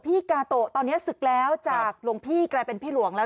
กาโตะตอนนี้ศึกแล้วจากหลวงพี่กลายเป็นพี่หลวงแล้ว